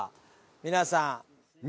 皆さん。